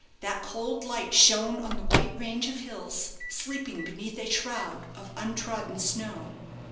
That cold light shone on the white range of hills sleeping beneath a shroud of untrodden snow.